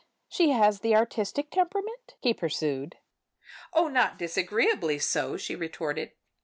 "She has the artistic temperament?" he pursued. "Oh, not disagreeably so," she retorted.